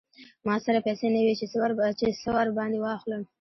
ما سره پیسې نه وې چې څه ور باندې واخلم.